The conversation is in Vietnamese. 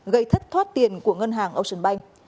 gây thất thoát tiền của ngân hàng ocean bank